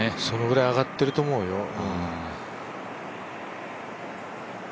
そのぐらい上がってると思うよ。